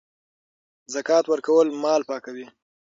زکات ورکول مال پاکوي.